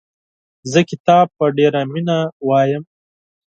زه کتاب په ډېره مینه لولم.